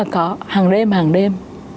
có hàng đêm hàng đêm